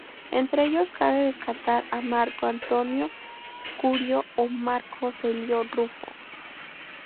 Entre ellos cabe destacar a Marco Antonio, Curio o Marco Celio Rufo.